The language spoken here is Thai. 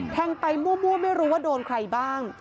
แทงไปมั่วไม่รู้ว่าโดนใครบ้าง